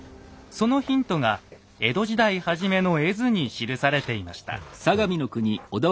そのヒントが江戸時代初めの絵図に記されていました。